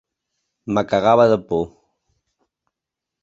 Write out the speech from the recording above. Me cagava de por.